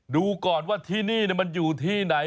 ดูก่อนว่าที่นี่มันอยู่ที่ไหน